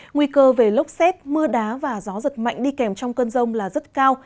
nguy cơ về lốc xét mưa đá và gió giật mạnh đi kèm trong cơn rông là rất cao